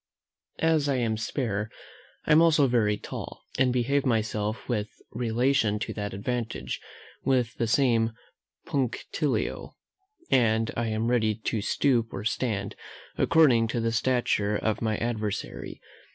As I am spare, I am also very tall, and behave myself with relation to that advantage with the same punctilio; and I am ready to stoop or stand, according to the stature of my adversary.